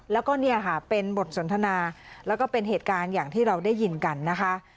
แล้วก็เนี่ยค่ะเป็นบทสนทนาแล้วก็เป็นเหตุการณ์อย่างที่เราได้ยินกันนะคะ